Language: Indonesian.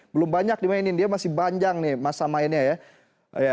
belum banyak dimainin dia masih panjang nih masa mainnya ya